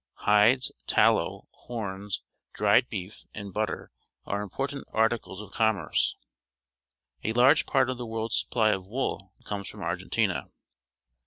Hide^;, tallow, horns, dried beef, and butter are important articlgs_ of j x)mm erce. A lai'ge part of the world's supply of woo l comes from Argentina.